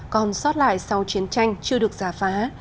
còn sót lại sau chiến tranh chưa được giả phá